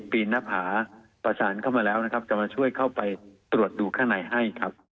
บินหน้าผาประสานเข้ามาแล้วจะมาช่วยเข้าไปตรวจดูข้างในให้